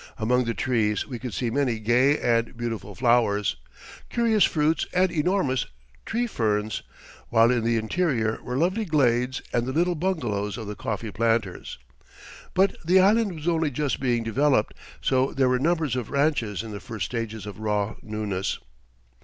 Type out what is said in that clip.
Among the trees we could see many gay and beautiful flowers, curious fruits and enormous tree ferns, while in the interior were lovely glades and the little bungalows of the coffee planters. But the island was only just being developed, so there were numbers of ranches in the first stages of raw newness.